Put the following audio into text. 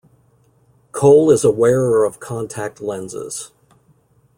Cole is a wearer of contact lenses.